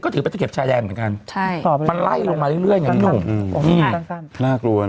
ก็ถือเป็นตะเข็บชายแดนเหมือนกันมันไล่ลงมาเรื่อยอย่างนี้หนูน่ากลัวนะ